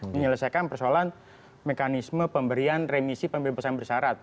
menyelesaikan persoalan mekanisme pemberian remisi pemimpin pesan bersyarat